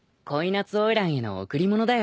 夏花魁への贈り物だよ。